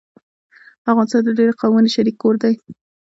افغانستان د ډېرو قومونو شريک کور دی